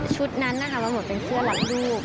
ชุดนั้นมันหมดเป็นเสื้อหลักรูป